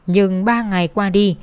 nhưng ba ngày qua đi